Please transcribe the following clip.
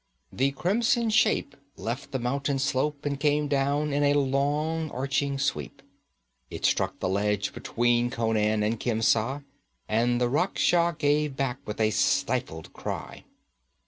The crimson shape left the mountain slope and came down in a long arching sweep. It struck the ledge between Conan and Khemsa, and the Rakhsha gave back with a stifled cry.